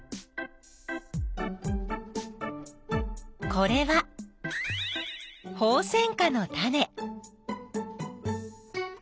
これはホウセンカのタネ。